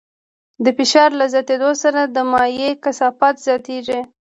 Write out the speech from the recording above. د فشار له زیاتېدو سره د مایع کثافت زیاتېږي.